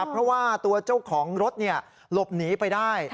เพราะว่าตัวเจ้าของรถหลบหนีไปได้